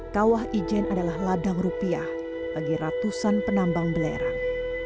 pemburu rupiah bagi ratusan penambang belerang